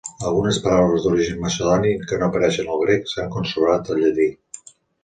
Algunes paraules d'origen macedoni que no apareixen al grec s'han conservat al llatí.